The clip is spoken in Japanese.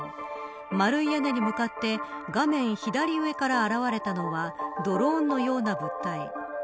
丸い屋根に向かって画面左上から現れたのはドローンのような物体。